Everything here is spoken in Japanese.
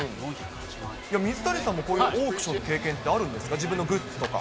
水谷さんもこういうオークションの経験ってあるんですか、自分のグッズとか。